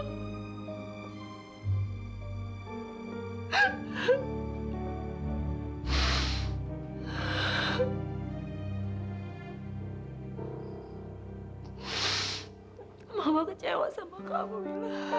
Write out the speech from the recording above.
mama sangat kecewa dengan kamu mila